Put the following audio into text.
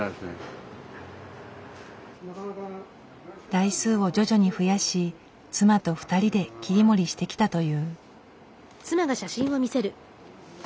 台数を徐々に増やし妻と２人で切り盛りしてきたという。